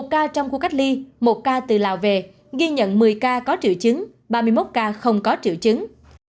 một ca trong khu cách ly một ca từ lào về ghi nhận một mươi ca có triệu chứng ba mươi một ca không có triệu chứng